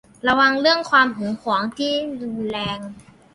ระวังเรื่องความหึงหวงที่รุนแรง